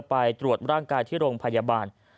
ไปตรวจร่างกายที่โรงพยาบาล